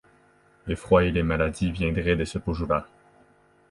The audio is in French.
Le froid et les maladies viendraient de ce Pohjola.